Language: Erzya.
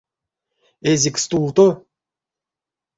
Эзик стувто?